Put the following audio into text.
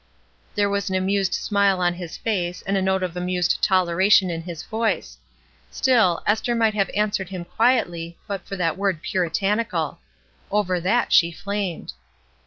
There was an amused smile on his face and a note of amused toleration in his voice. Still, Esther might have answered him quietly but for that word "Puritanical." Over that she flamed.